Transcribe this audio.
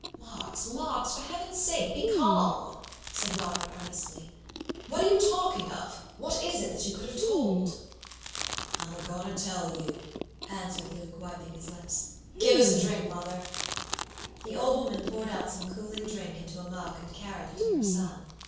"Marks, Marks, for Heaven's sake be calm," said Robert, earnestly. "What are you talking of? What is it that you could have told?" "I'm a goin to tell you," answered Luke, wiping his lips. "Give us a drink, mother." The old woman poured out some cooling drink into a mug, and carried it to her son.